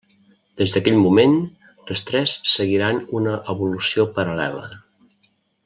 Des d'aquell moment, les tres seguiran una evolució paral·lela.